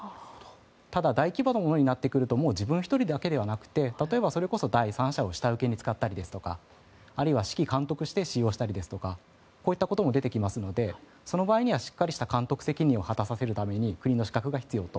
ただ、大規模なものになってくると自分一人だけではなくて例えば、それこそ第三者を下請けに使ったりですとかあるいは指揮監督して使用したりとかそういったことも出てきますのでその場合にはしっかりした監督責任を果たさせるために国の資格が必要と。